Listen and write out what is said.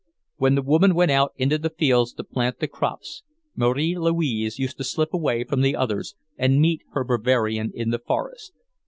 When the women went out into the fields to plant the crops, Marie Louise used to slip away from the others and meet her Bavarian in the forest.